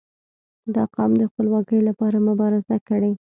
• دا قوم د خپلواکي لپاره مبارزه کړې.